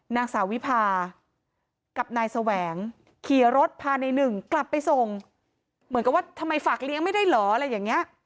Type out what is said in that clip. นางสาววิพากับนายแสวงขี่รถพาในหนึ่งกลับไปส่งเหมือนกับว่าทำไมฝากเลี้ยงไม่ได้เหรออะไรอย่างเงี้ย